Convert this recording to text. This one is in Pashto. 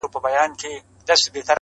o قربانو زه له پيغورو بېرېږم.